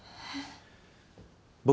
えっ。